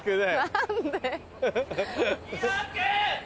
何で？